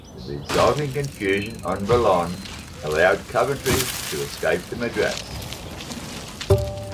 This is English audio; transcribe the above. The resulting confusion on "Bellone" allowed "Coventry" to escape to Madras.